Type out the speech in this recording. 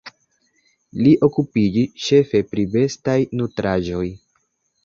Li okupiĝis ĉefe pri bestaj nutraĵoj.